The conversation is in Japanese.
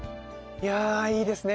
いやいいですね